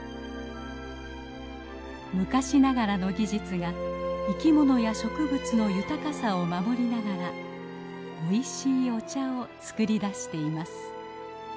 昔ながらの技術が生きものや植物の豊かさを守りながらおいしいお茶を作り出しています。